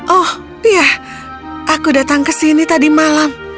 oh iya aku datang ke sini tadi malam